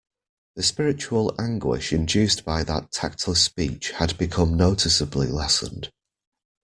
The spiritual anguish induced by that tactless speech had become noticeably lessened.